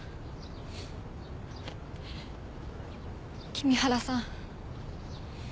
君原さん。